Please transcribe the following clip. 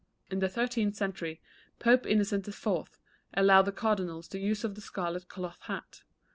In the thirteenth century Pope Innocent IV. allowed the cardinals the use of the scarlet cloth hat.